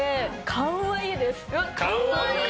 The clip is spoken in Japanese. かんわいい！